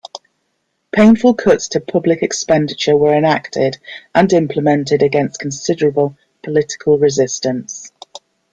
Painful cuts to public expenditure were enacted and implemented against considerable political resistance.